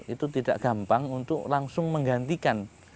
itu tidak gampang untuk langsung menggantikan